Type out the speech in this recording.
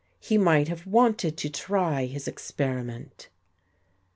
He might have wanted to try his ex periment."